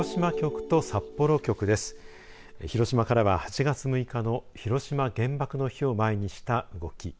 広島からは、８月６日の広島原爆の日を前にした動き。